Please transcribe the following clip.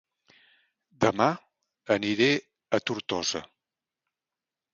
Dema aniré a Tortosa